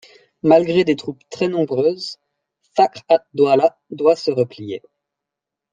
Malgré des troupes très nombreuses Fakhr ad-Dawla doit se replier.